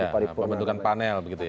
pembentukan panel begitu ya